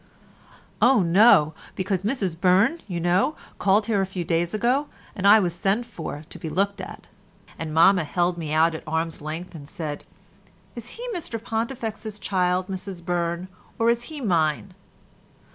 "Oh, no; because Mrs Burne, you know, called here a few days ago, and I was sent for to be looked at. And mamma held me out at arm's length and said, 'Is he Mr Pontifex's child, Mrs Burne, or is he mine?